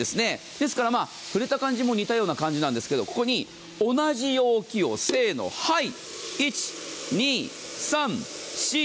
ですから触れた感じも似たような感じなんですけどここに同じ容器を、せーの、はい！